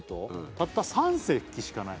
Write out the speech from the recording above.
「たった３席しかない」